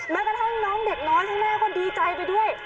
แม้ว่าทั้งน้องเด็กน้อยทั้งแม่ก็ดีใจไปด้วย